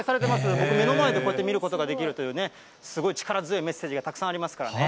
僕、目の前でこうやって見ることができるというね、すごい力強いメッセージがたくさんありますからね。